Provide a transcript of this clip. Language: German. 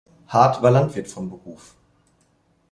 Hardt war Landwirt von Beruf.